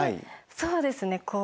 そうですねこう。